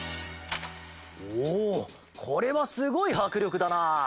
おこれはすごいはくりょくだな！